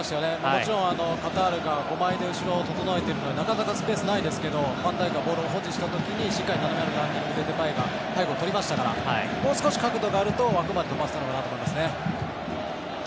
もちろん、カタールが５枚で後ろを整えてるのでなかなかスペースがないですけどファンダイクがボールを保持したときにしっかりデパイが背後をとりましたからもう少し角度があるとデパイまで出せたのかなと思いますね。